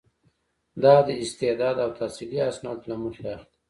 دا د استعداد او تحصیلي اسنادو له مخې اخلي.